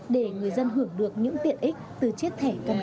để người dân hưởng được những tiện ích từ chiếc thẻ căn cư công dân